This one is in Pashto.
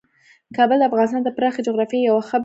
کابل د افغانستان د پراخې جغرافیې یوه ښه بېلګه ده.